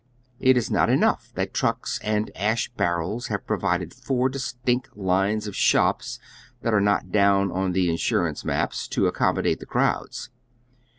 "' It is not enough that trucks and ash bar rels have provided four distinct lines of shops that are not down on the insurance maps, to accommodate the crowds.